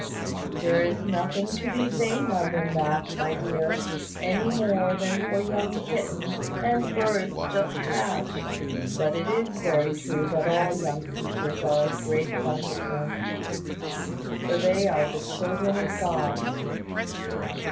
"There is nothing to be vain of in that, my dear, any more than for young kittens, and birds just hatched. But it is very true that all young creatures are of great consequence; for they are the children of God.